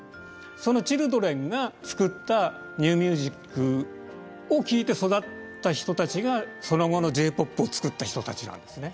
そのチルドレンが作ったニューミュージックを聴いて育った人たちがその後のＪーＰＯＰを作った人たちなんですね。